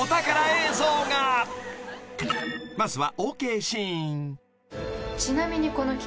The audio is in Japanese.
［まずは］